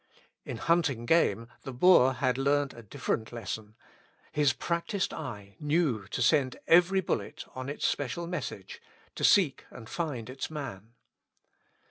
In hunting game the Boer had learned a different lesson ; his practised eye knew to send every bullet on its special message, to seek and find its man.